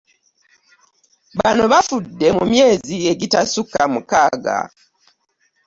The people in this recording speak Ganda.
Bano bafudde mu myezi egitasukka mukaaga.